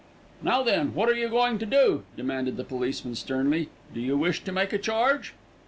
"Now then, what are you going to do?" demanded the policeman sternly. "Do you wish to make a charge?"